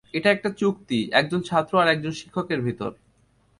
এটা একটা চুক্তি, একজন ছাত্র আর একজন শিক্ষকের ভিতর।